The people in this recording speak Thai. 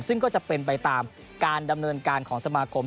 ซึ่งก็จะเป็นไปตามการดำเนินการของสมาคม